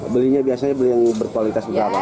belinya biasanya beli yang berkualitas berapa